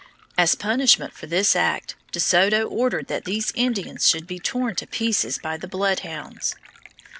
As punishment for this act, De Soto ordered that these Indians should be torn to pieces by the bloodhounds.